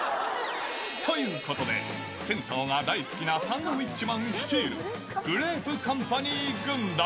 ということで、銭湯が大好きなサンドウィッチマン率いる、グレープカンパニー軍団。